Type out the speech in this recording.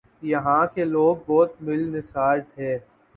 یہاں کے لوگ بہت ملنسار تھے ۔